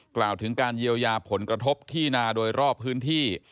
กล่าวถึงการเยียวยาผลกระทบที่นาโดยรอบพื้นที่